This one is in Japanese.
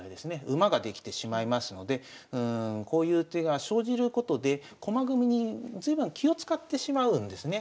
馬ができてしまいますのでこういう手が生じることで駒組みに随分気を遣ってしまうんですね。